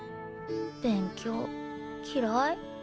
勉強嫌い。